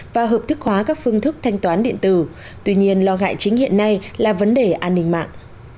và hợp thức hóa các phương thức thanh toán điện tử tuy nhiên lo ngại chính hiện nay là vấn đề an ninh mạng